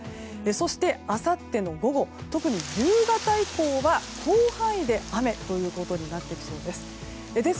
そしてあさっての午後特に夕方以降は広範囲で雨ということになってきそうです。